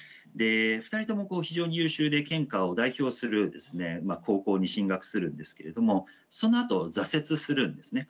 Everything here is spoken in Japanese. ２人とも非常に優秀で県下を代表する高校に進学するんですけれどもそのあと挫折するんですね。